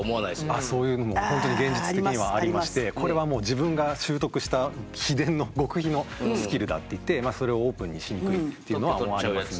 あっそういうのも本当に現実的にはありましてこれはもう自分が習得した秘伝の極秘のスキルだっていってそれをオープンにしにくいっていうのは思われますね。